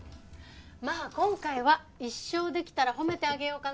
まあ今回は１勝できたら褒めてあげようかな。